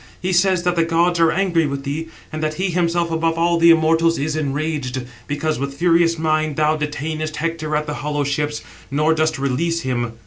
He says that the gods are angry with thee, and that he himself above all the immortals is enraged, because with furious mind thou detainest Hector at the hollow ships, nor dost release him.